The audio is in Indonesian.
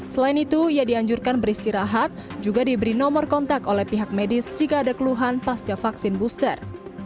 selain itu ia dianjurkan beristirahat juga diberi nomor kontak oleh pihak medis jika ada keluhan pasca vaksin booster